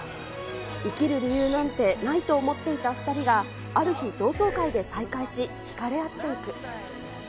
生きる理由なんてないと思っていた２人が、ある日、同窓会で再会し引かれ合っていく。